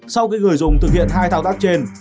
sau khi người dùng thực hiện hai thao tác trên